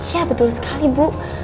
iya betul sekali bu